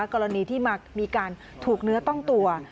กรณีที่มีการถูกเนื้อต้องตัว